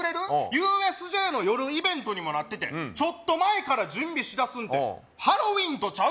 ＵＳＪの夜イベントにもなっててちょっと前から準備しだすんてハロウイーンとちゃう？